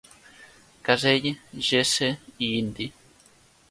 Casey, Jesse i Indi.